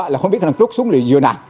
là không biết lúc xuống là dựa nào